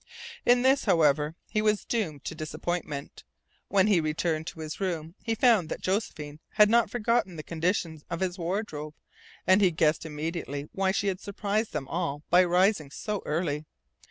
In this, however, he was doomed to disappointment. When he returned to his room he found that Josephine had not forgotten the condition of his wardrobe, and he guessed immediately why she had surprised them all by rising so early.